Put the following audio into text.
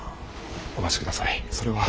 お待ちくださいそれは。